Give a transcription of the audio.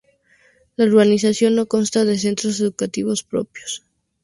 La urbanización no consta de centros educativos propios.